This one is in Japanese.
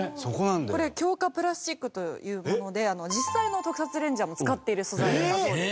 これ強化プラスチックというもので実際の特撮レンジャーも使っている素材だそうです。